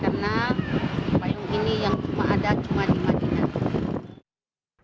karena payung ini yang cuma ada di madinah